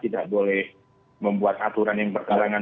tidak boleh membuat aturan yang berkarangan